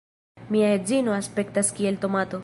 Mia edzino aspektas kiel tomato